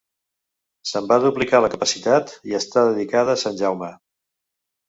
Se'n va duplicar la capacitat i està dedicada a sant Jaume.